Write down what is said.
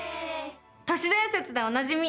都市伝説でおなじみ。